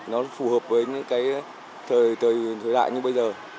nó phù hợp với thời đại như bây giờ